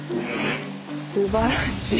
すばらしい。